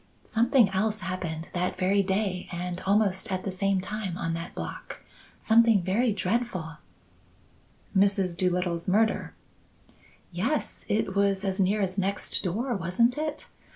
Something else happened that very day and almost at the same time on that block. Something very dreadful " "Mrs. Doolittle's murder?" "Yes. It was as near as next door, wasn't it?